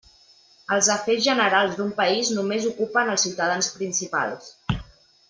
Els afers generals d'un país només ocupen els ciutadans principals.